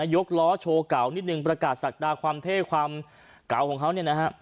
ยกล้อโชว์เก่านิดนึงประกาศศักดาความเท่ความเก่าของเขาเนี่ยนะฮะ